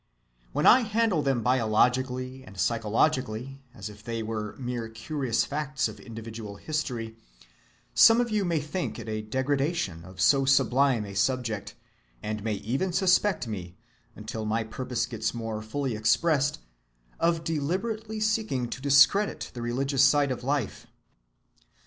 When I handle them biologically and psychologically as if they were mere curious facts of individual history, some of you may think it a degradation of so sublime a subject, and may even suspect me, until my purpose gets more fully expressed, of deliberately seeking to discredit the religious side of life.